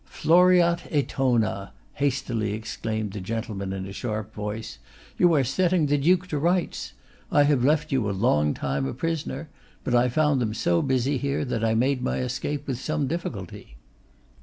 'Floreat Etona!' hastily exclaimed the gentleman, in a sharp voice; 'you are setting the Duke to rights. I have left you a long time a prisoner; but I found them so busy here, that I made my escape with some difficulty.